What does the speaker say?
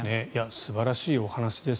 素晴らしいお話です。